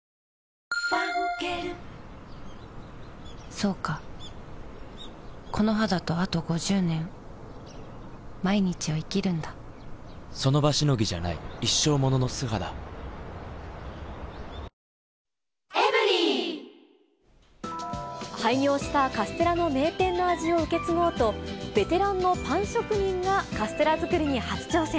そうかこの肌とあと５０年その場しのぎじゃない一生ものの素肌廃業したカステラの名店の味を受け継ごうと、ベテランのパン職人がカステラ作りに初挑戦。